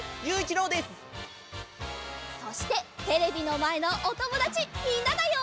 そしてテレビのまえのおともだちみんなだよ！